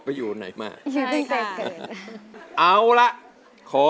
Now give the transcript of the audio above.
ไม่เคยลืมคำคนลำลูกกา